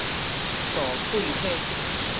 摷喙䫌